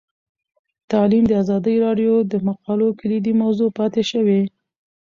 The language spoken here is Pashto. تعلیم د ازادي راډیو د مقالو کلیدي موضوع پاتې شوی.